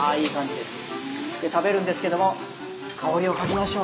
で食べるんですけども香りを嗅ぎましょう。